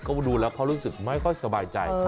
เขาดูแล้วเขารู้สึกไม่ค่อยสบายใจ